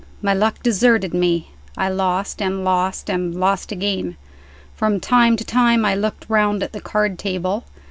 My luck deserted me; I lost, and lost, and lost again. From time to time I looked round at the card table.